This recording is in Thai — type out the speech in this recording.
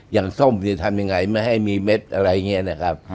ส้มจะทำยังไงไม่ให้มีเม็ดอะไรอย่างนี้นะครับ